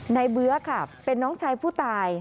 เบื้อค่ะเป็นน้องชายผู้ตาย